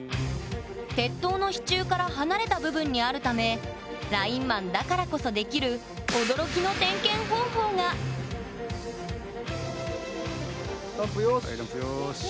鉄塔の支柱から離れた部分にあるためラインマンだからこそできるランプよし！